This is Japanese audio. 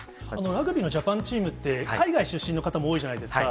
ラグビーのジャパンチームって、海外出身の方も多いじゃないですか。